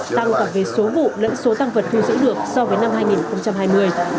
tăng cả về số vụ lẫn số tăng vật thu giữ được so với năm hai nghìn hai mươi